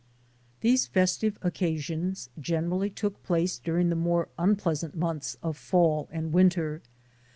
These festive occasions generally took place dur ing the more unpleasant months of fall and winter.